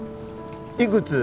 いくつ？